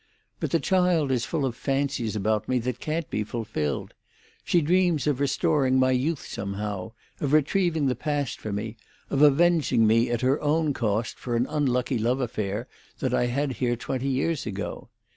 But the child is full of fancies about me that can't be fulfilled. She dreams of restoring my youth somehow, of retrieving the past for me, of avenging me at her own cost for an unlucky love affair that I had here twenty years ago.